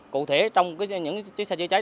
cụ thể trong những xe chữa chảy